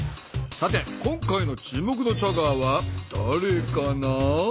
さて今回の注目のチャガーはだれかな？